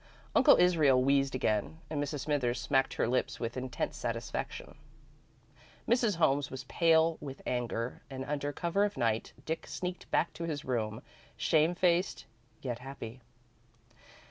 Uncle Israel wheezed again and Mrs. Smithers smacked her lips with intense satisfaction. Mrs. Holmes was pale with anger, and, under cover of the night, Dick sneaked back to his room, shame faced, yet happy.